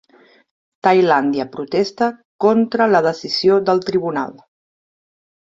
Tailàndia protesta contra la decisió del tribunal